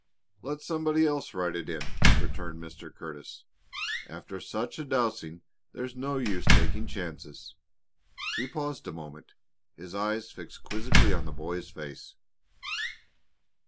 "Let somebody else ride it in," returned Mr. Curtis. "After such a dousing there's no use taking chances." He paused a moment, his eyes fixed quizzically on the boy's face.